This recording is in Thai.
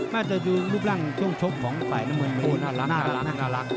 น่าจะดูรูปร่างช่วงชบของฝ่ายน้ำเงินมานี่น่ารักน่ารักน่ารัก